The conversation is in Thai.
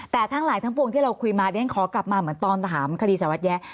แต่ทั้งหลายทั้งปวงที่เราคุยมาเรียนขอกลับมาเหมือนตอนถามคดีสารวัตแยะ